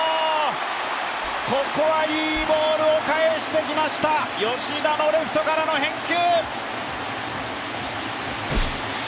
ここはいいボールを返してきました、吉田のレフトからの返球。